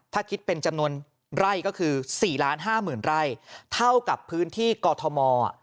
ถ้าคิดเป็นจำนวนไร่ก็คือ๔๕๐๐๐ไร่เท่ากับพื้นที่กอทม